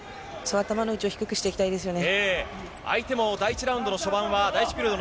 頭の位置を低くしていきたいですね。